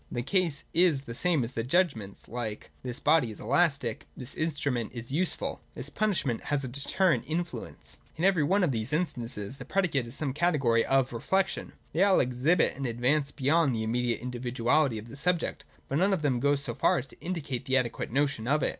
The case is the same with judgments like : This body is elastic : This instrument is useful : This punishment has a deterrent influence. In every one of these instances the predicate is some category of reflection. They all exhibit an advance beyond the immediate individuality of the subject, but none of them goes so far as to indicate the adequate notion of it.